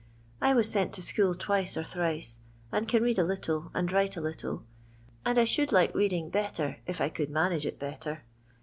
I was sent to school twice or thrice, and can read a little and write a little; and I should like reading better if I could manage it batter.